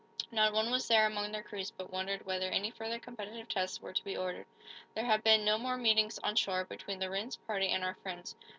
Not one was there among their crews but wondered whether any further competitive tests were to be ordered. There had been no more meetings, on shore, between the Rhinds party and our friends.